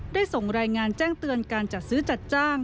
ได้ส่งรายงานแจ้งเตือนการจัดซื้อจัดจ้าง